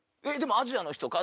「アジアの人か？